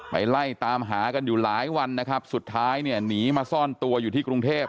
ไล่ตามหากันอยู่หลายวันนะครับสุดท้ายเนี่ยหนีมาซ่อนตัวอยู่ที่กรุงเทพ